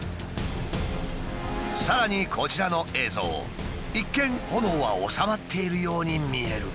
さらにこちらの映像一見炎は収まっているように見えるが